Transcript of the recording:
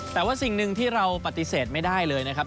แต่ว่าสิ่งหนึ่งที่เราปฏิเสธไม่ได้เลยนะครับ